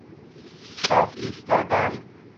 صاف ایستادن.